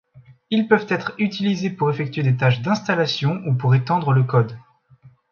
Ils peuvent être utilisés pour effectuer des tâches d'installation ou pour étendre le code.